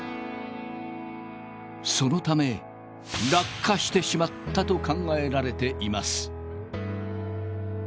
そのため落下してしまったと考えられています。